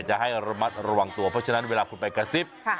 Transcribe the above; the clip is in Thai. จะให้ระมัดระวังตัวเพราะฉะนั้นเวลาคุณไปกระซิบ